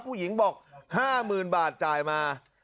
ผู้หญิงบอก๕๐๐๐บาทจ่ายมา